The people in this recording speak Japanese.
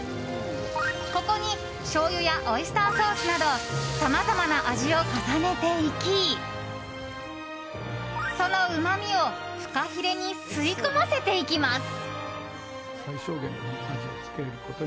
ここに、しょうゆやオイスターソースなどさまざまな味を重ねていきそのうまみをフカヒレに吸い込ませていきます。